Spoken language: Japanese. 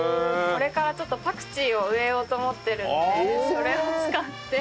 これからちょっとパクチーを植えようと思ってるんでそれを使って。